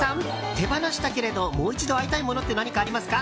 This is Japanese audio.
手放したけれど、もう一度会いたいものってありますか？